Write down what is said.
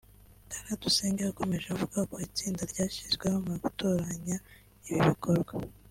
Kuradusenge yakomeje avuga ko itsinda ryashyizweho mu gutoranya ibi bikorwa